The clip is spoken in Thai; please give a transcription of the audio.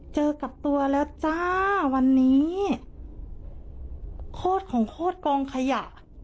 เจอกับตัวแล้วจ้าวันนี้โคตรของโคตรกองขยะ